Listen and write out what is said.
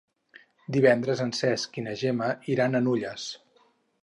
Divendres en Cesc i na Gemma iran a Nulles.